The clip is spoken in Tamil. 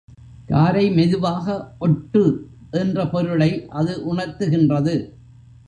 காரை மெதுவாக ஒட்டு என்ற பொருளை அது உணர்த்துகின்றது.